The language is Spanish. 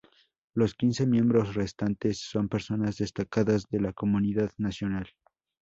Los quince miembros restantes son personas destacadas de la comunidad nacional.